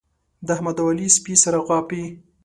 د احمد او علي سپي سره غاپي.